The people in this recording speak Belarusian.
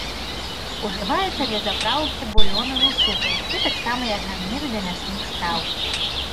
Ужываецца для запраўкі булёнаў і супаў, і таксама як гарнір да мясных страў.